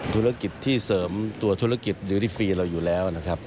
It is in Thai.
ธุรกิจที่เสริมตัวธุรกิจดิวดีฟรีเราอยู่แล้วนะครับ